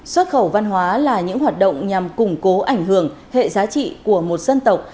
xuất khẩu văn hóa là những hoạt động nhằm củng cố ảnh hưởng hệ giá trị của một dân tộc